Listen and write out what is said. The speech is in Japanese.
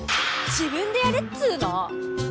自分でやれっつーの！